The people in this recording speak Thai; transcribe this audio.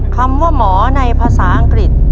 คำว่าหมอในภาษาอังกฤษ